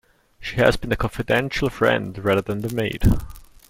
She has been the confidential friend rather than the maid.